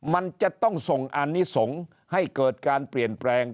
มันจะต้องส่งอานิสงฆ์ให้เกิดการเปลี่ยนแปลง